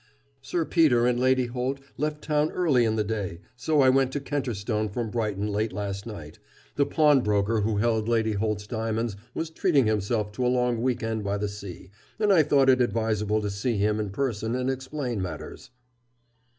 "Sir Peter and Lady Holt left town early in the day, so I went to Kenterstone from Brighton late last night.... The pawnbroker who held Lady Holt's diamonds was treating himself to a long weekend by the sea, and I thought it advisable to see him in person and explain matters."